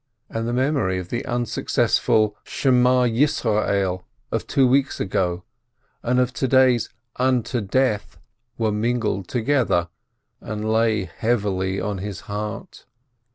And the memory of the unsuc cessful "Hear, 0 Israel" of two weeks ago and of to day's "unto death" were mingled together, and lay heavily on his heart.